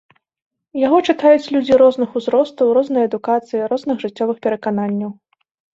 Яго чытаюць людзі розных узростаў, рознай адукацыі, розных жыццёвых перакананняў.